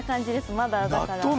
まだだから。